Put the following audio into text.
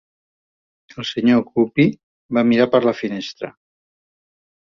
El senyor Guppy va mirar per la finestra.